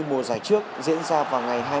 mùa giải trước diễn ra vào ngày